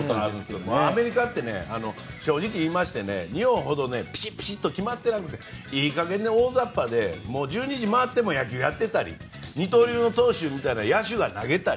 アメリカって日本ほどピシッと決まってなくていい加減で大雑把で１２時を回っても野球をやっていたり二刀流の投手じゃなくて野手が投げたり。